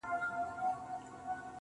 • غوږ سه راته.